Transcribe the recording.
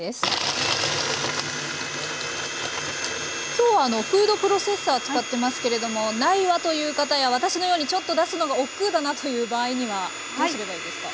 今日フードプロセッサー使ってますけれどもないわという方や私のようにちょっと出すのがおっくうだなという場合にはどうすればいいですか？